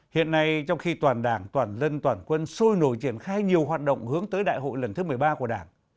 hiện nay trong khi toàn đảng toàn dân toàn quân sôi nổi triển khai nhiều hoạt động hướng tới đại hội lần thứ một mươi ba của đảng